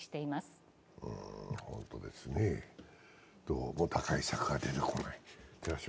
どうも打開策が出てこない。